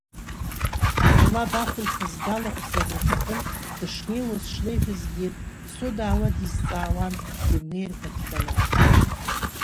Лаб ахәылԥаз далахәзар лҭахын, дышнеиуаз шлеиҳәазгьы, дцо-даауа дизҵаауан, дымнеир ҳәа дшәаны.